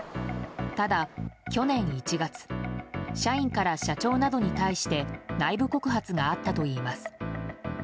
ただ、去年１月社員から社長などに対して内部告発があったといいます。